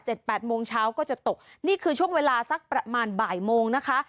แปดโมงเช้าก็จะตกนี่คือช่วงเวลาสักประมาณบ่ายโมงนะคะ